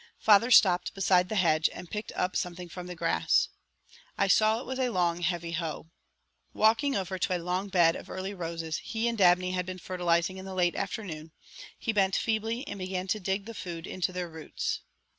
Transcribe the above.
Father stopped beside the hedge and picked up something from the grass. I saw it was a long, heavy hoe. Walking over to a long bed of early roses he and Dabney had been fertilizing in the late afternoon, he bent feebly and began to dig the food into their roots.